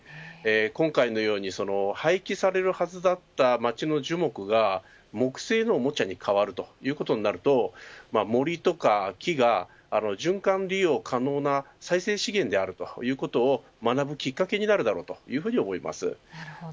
今回のように廃棄されるはずだった街の樹木が木製のおもちゃに変わるということになると森とか木が循環利用可能な再生資源であるということを学ぶきっかけになるだろうと思います。